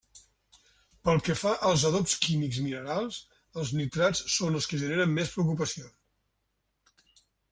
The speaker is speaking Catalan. Pel que fa als adobs químics minerals, els nitrats són els que generen més preocupació.